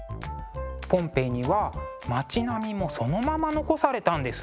ポンペイには町並みもそのまま残されたんですね。